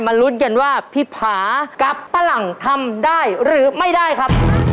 มันรู้เกิดว่าพี่ผากับปั้นหลังทำได้หรือไม่ได้ครับ